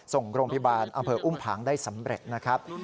ส่งโรงพยาบาลอำเภออุ้มผางได้สำเร็จนะครับ